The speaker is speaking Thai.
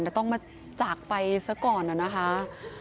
แต่ต้องมาจากไปซะก่อนนะคะ